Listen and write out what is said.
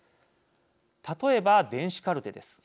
例えば電子カルテです。